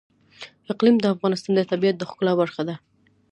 اقلیم د افغانستان د طبیعت د ښکلا برخه ده.